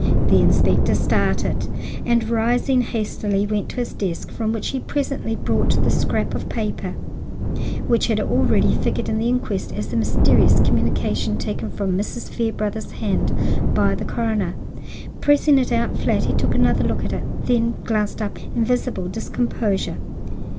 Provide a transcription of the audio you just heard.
The inspector started, and, rising hastily, went to his desk, from which he presently brought the scrap of paper which had already figured in the inquest as the mysterious communication taken from Mrs. Fairbrother's hand by the coroner. Pressing it out flat, he took another look at it, then glanced up in visible discomposure.